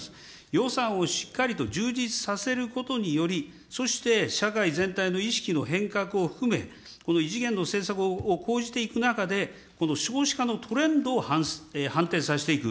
予算をしっかりと充実させることにより、そして社会全体の意識の変革を含め、この異次元の政策を講じていく中で、少子化のトレンドを反転させていく。